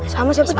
sama siapa tuh